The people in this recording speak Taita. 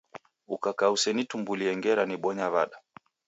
Ukakaia usenitumbulie ngera nibonya wa'da